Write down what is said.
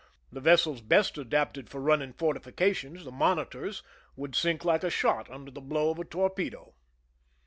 The vessels best adapted for running fortifications, the monitors, would sink like a shot under the blow of a torpedo.